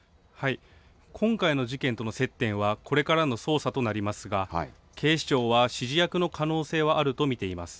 今回の事件との接点は、これからの捜査となりますが、警視庁は指示役の可能性はあると見ています。